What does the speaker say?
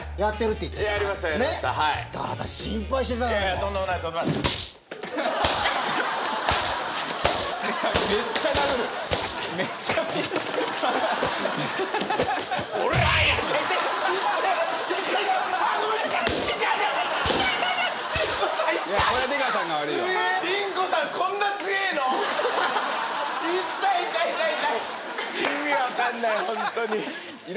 意味分かんないホントに。